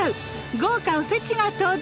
豪華おせちが登場！